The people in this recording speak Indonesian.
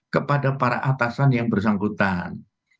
kepada para atasan yang bersangkutan